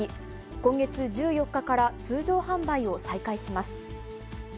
今月１４日から通常販売を再開します。